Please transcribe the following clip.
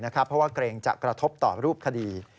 เพราะว่าเกรงจะกระทบต่อรูปคดี